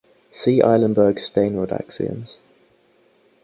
See Eilenberg-Steenrod axioms.